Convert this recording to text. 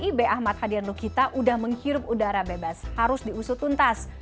lib ahmad hadian lukita udah menghirup udara bebas harus diusut tuntas